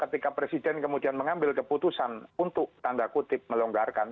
ketika presiden kemudian mengambil keputusan untuk tanda kutip melonggarkan